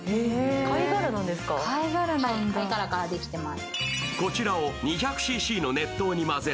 貝殻からできています。